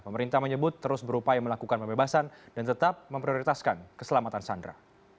pemerintah menyebut terus berupaya melakukan pembebasan dan tetap memprioritaskan keselamatan sandra